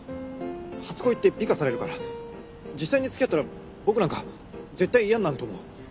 初恋って美化されるから実際に付き合ったら僕なんか絶対嫌になると思う。